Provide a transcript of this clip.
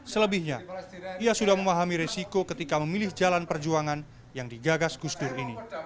selebihnya ia sudah memahami resiko ketika memilih jalan perjuangan yang digagas gus dur ini